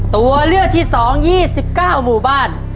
ตัวเลือกที่๒๒๙หมู่บ้าน